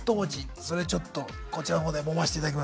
それちょっとこちらの方でもましていただきます。